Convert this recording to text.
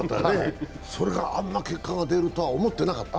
それがあんな結果が出るとは思ってなかった？